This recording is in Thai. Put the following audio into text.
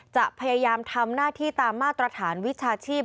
จะพยายามทำหน้าที่ตามมาตรฐานวิชาชีพ